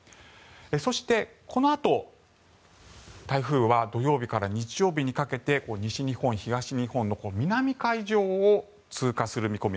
そして、このあと台風は土曜日から日曜日にかけて西日本、東日本の南海上を通過する見込み。